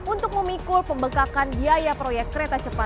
untuk memikul pembekakan biaya proyeknya